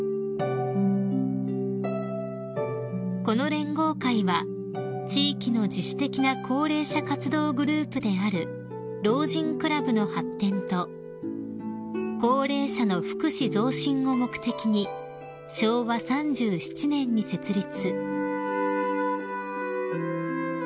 ［この連合会は地域の自主的な高齢者活動グループである老人クラブの発展と高齢者の福祉増進を目的に昭和３７年に設立］